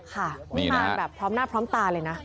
ค่ะนี่มาแบบพร้อมหน้าพร้อมตาเลยนะ